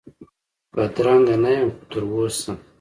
بدرنګه نه یم خو تراوسه،